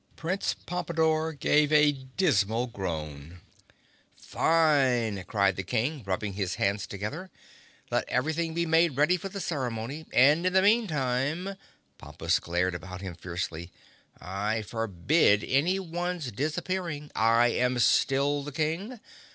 Prince Pompadore gave a dismal groan. "Fine!" cried the King, rubbing his hands together. "Let everything be made ready for the ceremony, and in the meantime"—Pompus glared about fiercely—"I forbid anyone's disappearing. I am still the King!